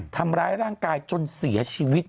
ทำร้ายร่างกายจนเสียชีวิต